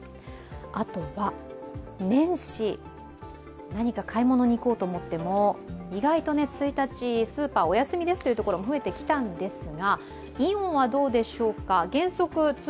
あとは年始、何か買い物に行こうと思っても意外と１日、スーパーお休みですというところも増えてきたんですが。